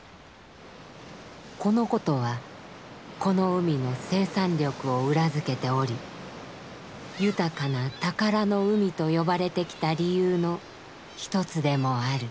このことはこの海の生産力を裏付けており豊かな『宝の海』と呼ばれてきた理由の一つでもある」。